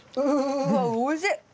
うわおいしい！